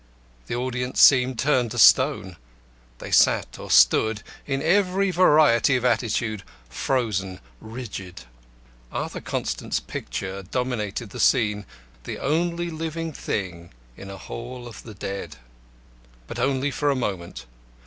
The audience seemed turned to stone. They sat or stood in every variety of attitude frozen, rigid. Arthur Constant's picture dominated the scene, the only living thing in a hall of the dead. But only for a moment.